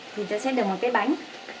thì ta sẽ được một cái bánh